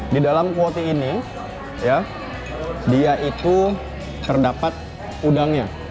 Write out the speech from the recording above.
di dalam kuoti ini dia itu terdapat udangnya